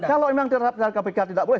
kalau memang terhadap kpk tidak boleh